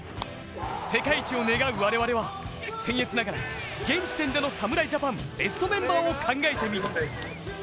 世界一を願う我々は、せん越ながら現時点での侍ジャパンベストメンバーを考えてみた。